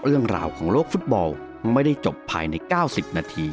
สวัสดีครับ